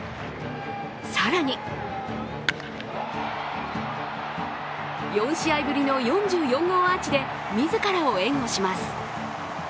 更に、４試合ぶりの４４号アーチで自らを援護します。